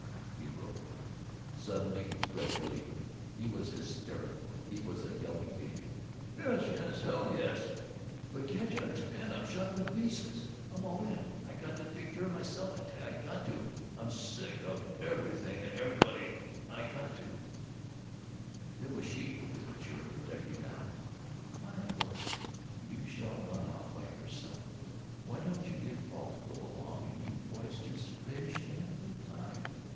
He broke. Suddenly, dreadfully, he was hysterical, he was a yelping baby. "Yes, yes, yes! Hell, yes! But can't you understand I'm shot to pieces? I'm all in! I got to take care of myself! I tell you, I got to I'm sick of everything and everybody! I got to " It was she who was mature and protective now. "Why, of course! You shall run off by yourself! Why don't you get Paul to go along, and you boys just fish and have a good time?"